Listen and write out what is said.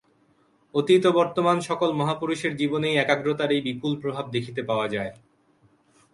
অতীত ও বর্তমান সকল মহাপুরুষের জীবনেই একাগ্রতার এই বিপুল প্রভাব দেখিতে পাওয়া যায়।